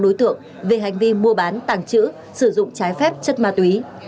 ba mươi sáu đối tượng về hành vi mua bán tàng trữ sử dụng trái phép chất ma túy